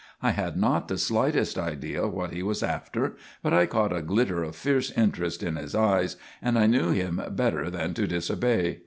I had not the slightest idea what he was after, but I caught a glitter of fierce interest in his eyes, and I knew him better than to disobey.